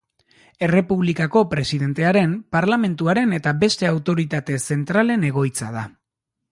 Errepublikako presidentearen, parlamentuaren eta beste autoritate zentralen egoitza da.